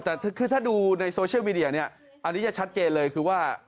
แต่คือถ้าดูในโซเชียลมีเดียเนี่ยอันนี้จะชัดเจนเลยคือว่า